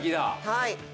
はい。